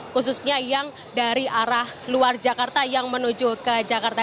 khususnya yang dari arah luar jakarta yang menuju ke jakarta